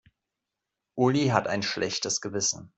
Uli hat ein schlechtes Gewissen.